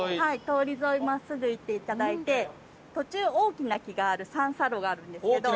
通り沿い真っすぐ行っていただいて途中大きな木がある三叉路があるんですけど。